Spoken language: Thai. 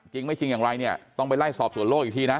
จริงไม่จริงอย่างไรเนี่ยต้องไปไล่สอบส่วนโลกอีกทีนะ